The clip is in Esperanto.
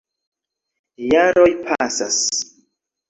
Jaroj pasas.